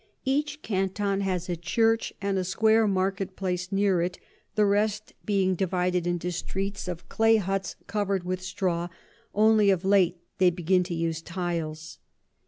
Each Canton has a Church and a square Market place near it, the rest being divided into Streets of Clay Hutts cover'd with Straw, only of late they begin to use Tiles.